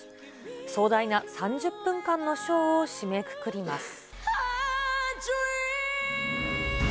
壮大な３０分間のショーを締めくくります。